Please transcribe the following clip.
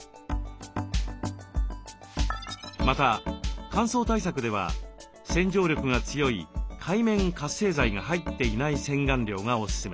また乾燥対策では洗浄力が強い界面活性剤が入っていない洗顔料がオススメです。